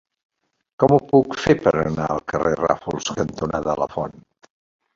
Com ho puc fer per anar al carrer Ràfols cantonada Lafont?